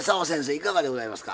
いかがでございますか？